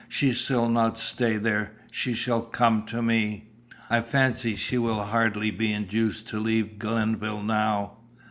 She shall not stay there. She shall come to me." "I fancy she will hardly be induced to leave Glenville now."